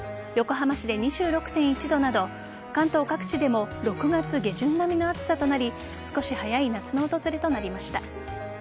横浜市で２６．１度など関東各地でも６月下旬並みの暑さとなり少し早い夏の訪れとなりました。